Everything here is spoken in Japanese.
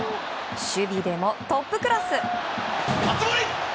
守備でもトップクラス！